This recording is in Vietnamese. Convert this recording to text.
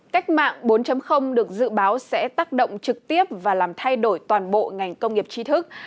cách mạng bốn được dự báo sẽ tác động trực tiếp và làm thay đổi toàn bộ ngành công nghiệp trí thức